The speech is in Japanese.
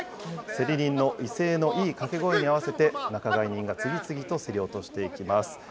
競り人の威勢のいい掛け声に合わせて、仲買人が次々と競り落としていきます。